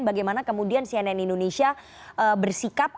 bagaimana kemudian cnn indonesia bersikap